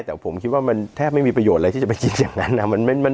แต่ผมคิดว่ามันแทบไม่มีประโยชน์อะไรที่จะไปคิดอย่างนั้นนะ